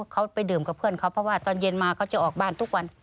เขาไปดื่มกับเพื่อนเขาเพราะว่าตอนเย็นมาเขาจะออกบ้านทุกวัน